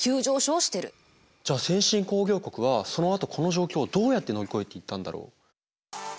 じゃあ先進工業国はそのあとこの状況をどうやって乗り越えていったんだろう？